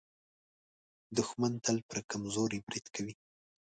دښمن تل پر کمزوري برید کوي